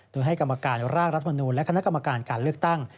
โดยให้กรรมการร่างรัฐมนูลและคณะกรรมการการเลือกตั้ง